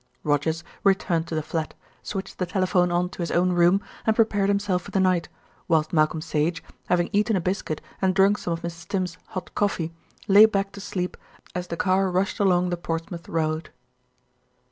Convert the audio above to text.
Rogers returned to the flat, switched the telephone on to his own room, and prepared himself for the night, whilst Malcolm Sage, having eaten a biscuit and drunk some of Mrs. Tims's hot coffee, lay back to sleep as the car rushed along the Portsmouth road.